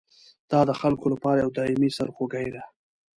دا د خلکو لپاره یوه دایمي سرخوږي ده.